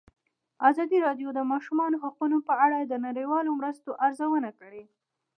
ازادي راډیو د د ماشومانو حقونه په اړه د نړیوالو مرستو ارزونه کړې.